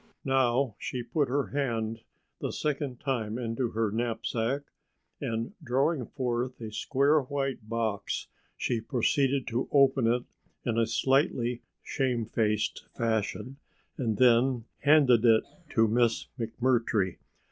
Now she put her hand the second time into her knapsack and, drawing forth a square white box, she proceeded to open it in a slightly shamefaced fashion and then handed it to Miss McMurtry.